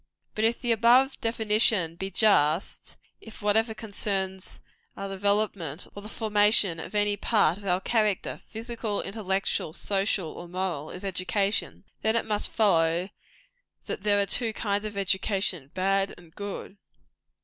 But if the above definition be just if whatever concerns our development, or the formation of any part of our character, physical, intellectual, social or moral, is education then it must follow that there are two kinds of education, bad and good.